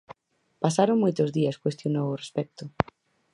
"Pasaron moitos días", cuestionou ao respecto.